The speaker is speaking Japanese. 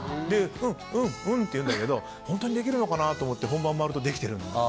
うん、うんって言うんだけど本当にできるのかな？と思って本番に回るとできてるんです。